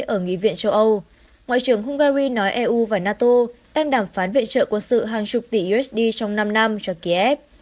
ở nghị viện châu âu ngoại trưởng hungary nói eu và nato đang đàm phán viện trợ quân sự hàng chục tỷ usd trong năm năm cho kiev